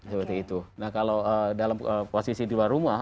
seperti itu nah kalau dalam posisi di luar rumah